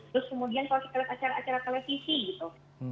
terus kemudian kalau kita lihat acara acara televisi gitu